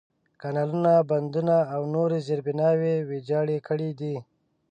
کانالونه، بندونه، او نورې زېربناوې ویجاړې کړي دي.